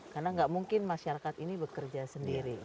karena nggak mungkin masyarakat ini bekerja sendiri